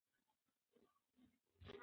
ده خپل ښی لاس په وېښتانو کې تېر او بېر کړ.